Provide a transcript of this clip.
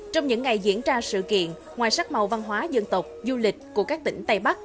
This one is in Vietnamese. trong những ngày diễn ra sự kiện ngoài sắc màu văn hóa dân tộc du lịch của các tỉnh tây bắc